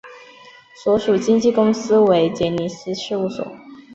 所属经纪公司为杰尼斯事务所。